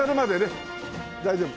大丈夫。